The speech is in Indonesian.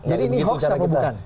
ini hoax apa bukan